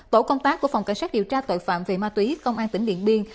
tổ công tác của phòng cảnh sát điều tra tội phạm về ma túy công an tỉnh điện biên